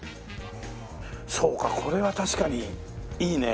そうかこれは確かにいいね。